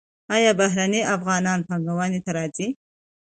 آیا بهرنی افغانان پانګونې ته راځي؟